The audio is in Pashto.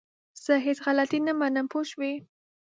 زه هيڅ غلطي نه منم! پوه شوئ!